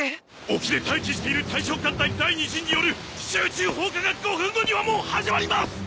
沖で待機している大将艦隊第二陣による集中砲火が５分後にはもう始まります！